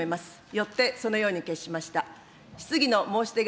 よってそのように決しました。